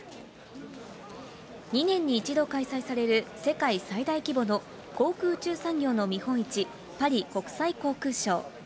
２年に１度開催される、世界最大規模の航空宇宙産業の見本市、パリ国際航空ショー。